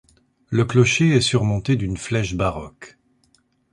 Le clocher est surmonté d'une flèche baroque.